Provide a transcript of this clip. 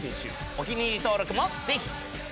お気に入り登録もぜひ！